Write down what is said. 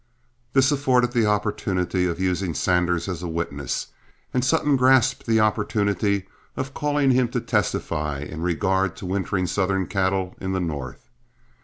This afforded the opportunity of using Sanders as a witness, and Sutton grasped the opportunity of calling him to testify in regard to wintering Southern cattle in the North.